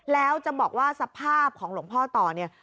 แล้วจะบอกว่าสภาพของหลวงพ่อต่อเนี่ย